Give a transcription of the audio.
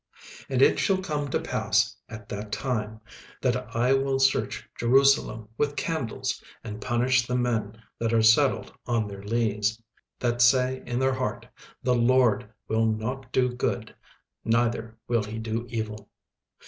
36:001:012 And it shall come to pass at that time, that I will search Jerusalem with candles, and punish the men that are settled on their lees: that say in their heart, The LORD will not do good, neither will he do evil.